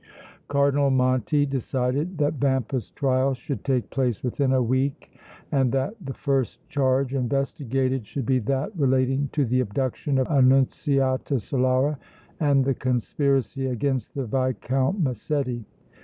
Cardinal Monti decided that Vampa's trial should take place within a week and that the first charge investigated should be that relating to the abduction of Annunziata Solara and the conspiracy against the Viscount Massetti.